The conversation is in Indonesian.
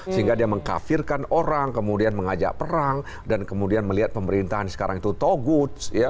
sehingga dia mengkafirkan orang kemudian mengajak perang dan kemudian melihat pemerintahan sekarang itu togut